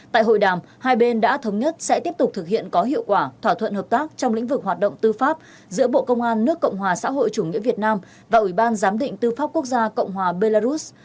tại hội đàm hai bên đã thống nhất sẽ tiếp tục thực hiện có hiệu quả thỏa thuận hợp tác trong lĩnh vực hoạt động tư pháp giữa bộ công an nước cộng hòa xã hội chủ nghĩa việt nam và ủy ban giám định tư pháp quốc gia cộng hòa belarus